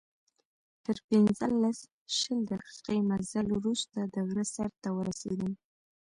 تر پنځلس، شل دقیقې مزل وروسته د غره سر ته ورسېدم.